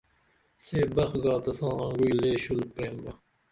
سے بخ گا تساں آنگعوی لے ڜُل پریم با